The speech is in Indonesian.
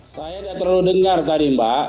saya tidak terlalu dengar tadi mbak